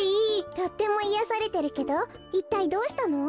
とってもいやされてるけどいったいどうしたの？